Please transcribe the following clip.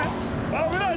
危ない。